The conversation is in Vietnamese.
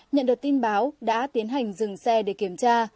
nhận được tin báo đã tiến hành dừng xe để kiểm tra